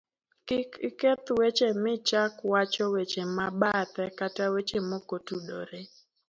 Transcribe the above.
kik iketh weche michak wacho weche mabathe kata weche mokotudore